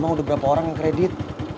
memang udah berapa orang yang kredit